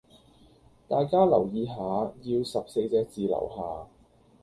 大家留意下要十四隻字樓下